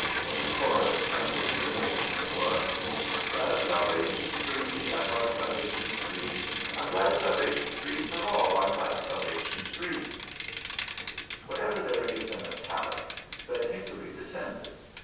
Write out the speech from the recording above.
The chorus under this arrangement was: I'm glad salvation's free, I'm glad salvation's free, I'm glad salvation's free for all, I'm glad salvation's free. Wherever there is an italic, the hickory descended.